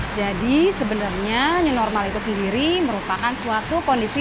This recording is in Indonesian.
jadi sebenarnya new normal itu sendiri merupakan suatu kondisi